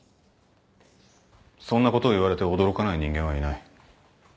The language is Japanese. そんなことを言われて驚かない人間はいない。